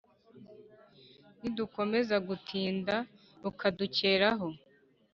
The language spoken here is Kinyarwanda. Nidukomeza gutinda bukadukeraho